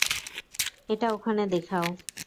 এটা ওখানে দেখাও।